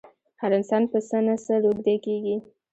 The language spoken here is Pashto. هر انسان په څه نه څه روږدی کېږي.